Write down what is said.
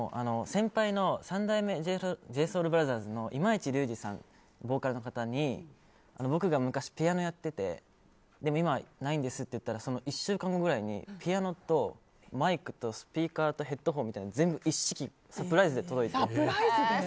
先輩の三代目ＪＳＯＵＬＢＲＯＴＨＥＲＳの今市隆二さん、ボーカルの方に僕が昔、ピアノやっててでも今、ないんですって言ったらその１週間後ぐらいにピアノとマイクとスピーカーとヘッドホン全部一式サプライズで届いて。